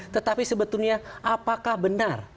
tetapi sebetulnya apakah benar